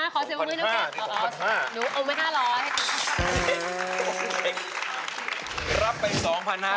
ขอเสียงมือให้น้องแก้มอ๋อหนูเอาไว้๕๐๐บาทให้น้องแก้มขอบคุณค่ะโอ้โฮ